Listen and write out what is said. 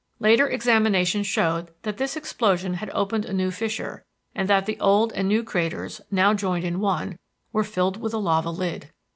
Later examination showed that this explosion had opened a new fissure, and that the old and new craters, now joined in one, were filled with a lava lid.